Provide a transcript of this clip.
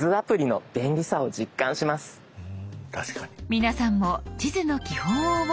皆さんも地図の基本を覚えましょう。